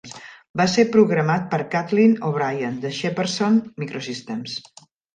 Va ser programat per Kathleen O'Brien de Shepardson Microsystems.